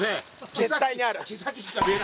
絶対にある。